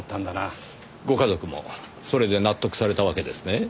ご家族もそれで納得されたわけですね？